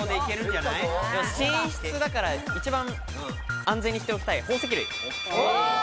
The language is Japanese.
寝室だから一番安全にしておきたい宝石類。